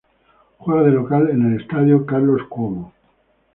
Juega de local en el estadio Carlos Cuomo.